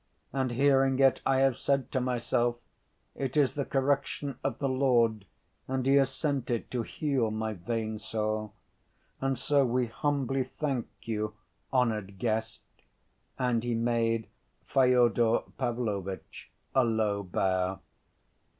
And hearing it I have said to myself: it is the correction of the Lord and He has sent it to heal my vain soul.' And so we humbly thank you, honored guest!" and he made Fyodor Pavlovitch a low bow.